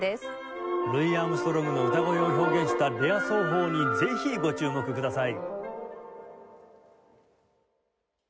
ルイ・アームストロングの歌声を表現したレア奏法にぜひご注目ください。